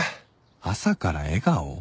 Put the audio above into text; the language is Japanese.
朝から笑顔？